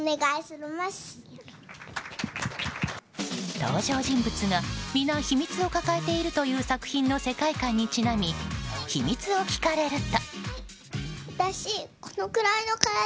登場人物がみな秘密を抱えているという作品の世界観にちなみ秘密を聞かれると。